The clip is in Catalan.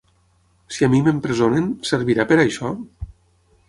Si a mi m’empresonen, servirà per a això?